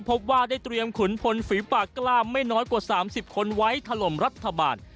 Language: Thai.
พบว่าได้เตรียมขุนพลฝีปากกล้ามไม่น้อยกว่า๓๐คนไว้ถล่มรัฐบาล